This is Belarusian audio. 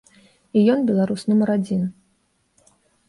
І ён беларус нумар адзін.